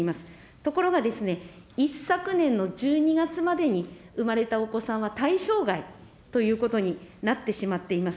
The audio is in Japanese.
ところがですね、一昨年の１２月までに産まれたお子さんは対象外ということになってしまっています。